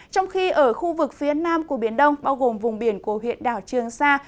trong khi ở khu vực phía nam của biển đông bao gồm vùng biển của huyện đảo trương sa